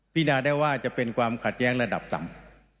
นาได้ว่าจะเป็นความขัดแย้งระดับต่ำ